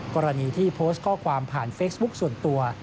กรณีที่โพสต์ข้อความผ่านเฟซบุ๊คส่วนตัว